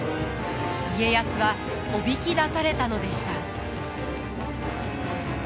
家康はおびき出されたのでした。